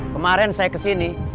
kemarin saya kesini